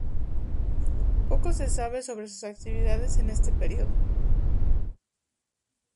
Poco se sabe sobre sus actividades en este periodo.